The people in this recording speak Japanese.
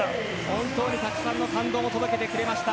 本当にたくさんの感動を届けてくれました。